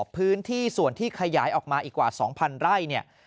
พื้นที่ส่วนที่ขยายออกมาอีกกว่า๒๐๐ไร่เนี่ย